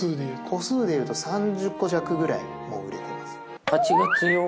個数でいうと３０個弱ぐらいもう売れてます。